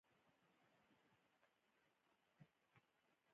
• زړور سړی د نورو ویره ختموي.